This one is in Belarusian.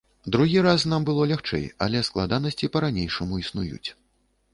Другі раз нам было лягчэй, але складанасці па-ранейшаму існуюць.